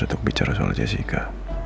untuk bicara soal jessica